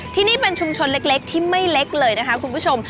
ที่นี่เป็นชุมชนเล็กที่ไม่เล็กเลยนะคะคุณผู้ชม